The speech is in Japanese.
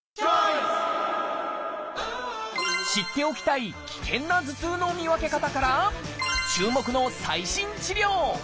知っておきたい危険な頭痛の見分け方から注目の最新治療！